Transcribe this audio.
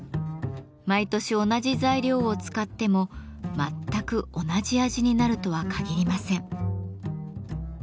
毎年同じ材料を使っても全く同じ味になるとは限りません。